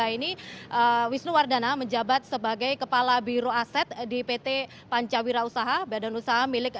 dua ribu tiga ini wisnu wardana menjabat sebagai kepala biro aset di pt pancawira usaha badan usaha milik